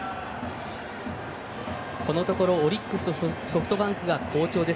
このところオリックスソフトバンクは好調です。